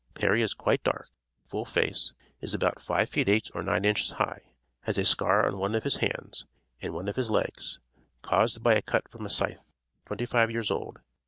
Perry is quite dark, full face; is about 5 feet 8 or 9 inches high; has a scar on one of his hands, and one on his legs, caused by a cut from a scythe; 25 years old.